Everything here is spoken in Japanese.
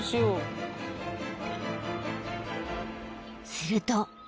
［すると］